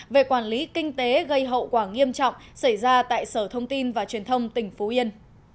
về quản lý kinh tế gây hậu quả nghiêm trọng xảy ra tại sở thông tin và truyền thông tỉnh phú yên